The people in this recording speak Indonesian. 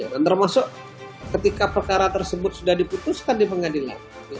dan termasuk ketika perkara tersebut sudah diputuskan di pengadilan